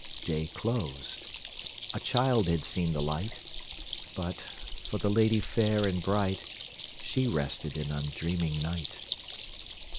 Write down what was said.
Day closed; a child had seen the light; But, for the lady fair and bright, She rested in undreaming night.